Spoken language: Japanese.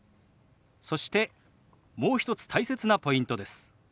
そしてもう一つ大切なポイントです。